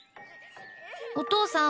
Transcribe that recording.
お父さん